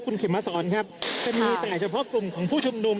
คุณเข็มมาสอนครับจะมีแต่เฉพาะกลุ่มของผู้ชุมนุม